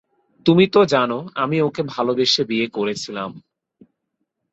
তুমি তো জানো আমি ওকে ভালোবেসে বিয়ে করেছিলাম?